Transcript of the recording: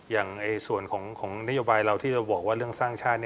อย่างส่วนของนโยบายเราที่เราบอกว่าเรื่องสร้างชาติ